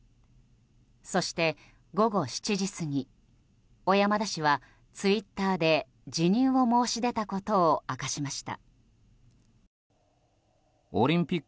そして、午後７時過ぎ小山田氏はツイッターで辞任を申し出たことを明かしました。